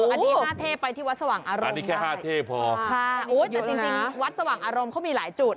อันนี้๕เทพไปที่วัดสว่างอารมณ์ได้ค่ะอุ๊ยแต่จริงวัดสว่างอารมณ์เขามีหลายจุด